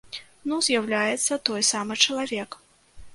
Ну, заяўляецца той самы чалавек.